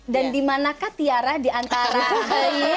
dan dimanakah tiara diantara heis